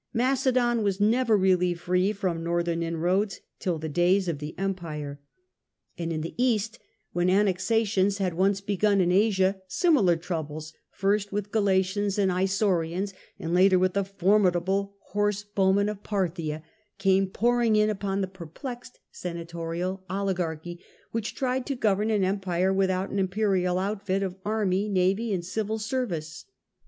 Macedon was never really free from northern inroads till the days of the empire. And ro LATjEE days OF THE ROMAN REPUBLIC in the East, when annexations ha3 ones begun in Asia, similar troubles, first with Gralatians aiifi Isaurians, anfi later with the formidable horse bowmen of Partbia, oame pouring in upon the perplexed senatorial oligarchy, which tried to govern an empire without an imperial outfit of army, navy, and. civil sendee.